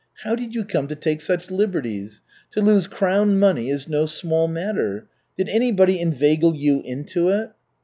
How did you come to take such liberties? To lose crown money is no small matter. Did anybody inveigle you into it?"